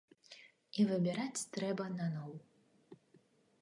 І выбіраць трэба наноў.